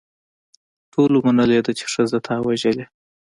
ټولو منلې ده چې ښځه تا وژلې.